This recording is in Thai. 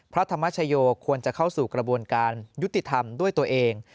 พระธรรมชโยควรจะเข้าสู่กระบวนการยุติธรรมด้วยตัวเอง